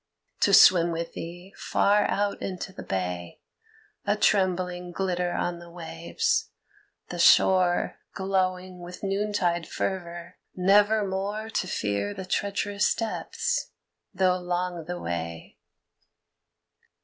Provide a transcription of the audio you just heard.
To swim with thee far out into the bay, A trembling glitter on the waves, the shore Glowing with noontide fervor, nevermore To fear the treacherous depths, though long the way.